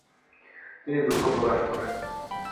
তিনি দুঃখ প্রকাশ করেন।